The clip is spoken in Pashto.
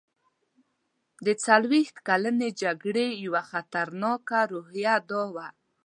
د څلوېښت کلنې جګړې یوه خطرناکه روحیه دا وه.